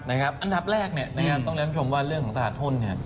อันดับแรกต้องเรียนชมว่าเรื่องของตลาดหุ้น